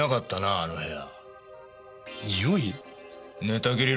あの部屋。